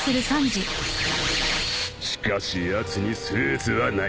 しかしやつにスーツはない